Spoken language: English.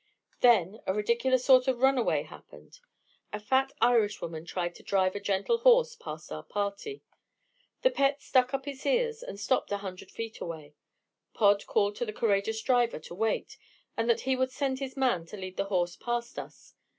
Then a ridiculous sort of runaway happened. A fat Irishwoman tried to drive a gentle horse past our party. The pet stuck up his ears and stopped a hundred feet away; Pod called to the courageous driver to wait, and that he would send his man to lead the horse past us.